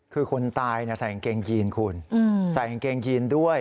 คือคนตายใส่กางเกงยีนคุณใส่กางเกงยีนด้วย